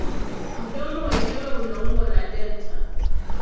Mdomo wenyewe una umbo la delta.